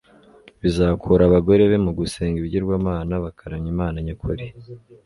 bizakura abagore be mu gusenga ibigirwamana bakaramya imana nyakuri